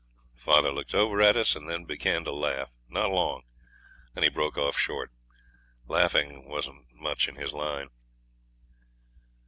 Father looked over at us and then began to laugh not long, and he broke off short. Laughing wasn't much in his line.